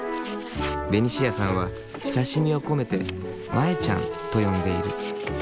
ベニシアさんは親しみを込めて「マエちゃん」と呼んでいる。